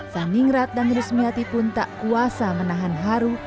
saningrat dan rusmiati pun tak kuasa menahan haru